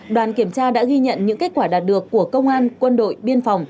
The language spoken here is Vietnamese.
đoàn kiểm tra đã ghi nhận những kết quả đạt được của công an quân đội biên phòng